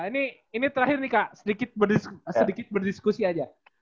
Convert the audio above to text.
ini terakhir nih kak sedikit berdiskusi aja